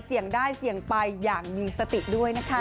เสี่ยงได้เสี่ยงไปอย่างมีสติด้วยนะคะ